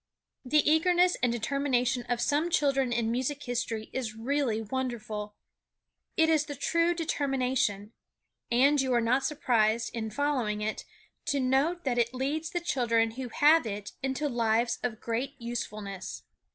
The eagerness and determination of some children in music history is really wonderful. It is the true determination. And you are not surprised, in following it, to note that it leads the children who have it into lives of great usefulness.